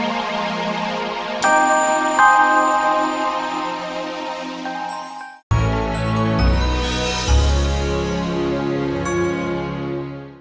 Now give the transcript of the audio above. tidak ada yang bisa ngelanjutin hubungan kita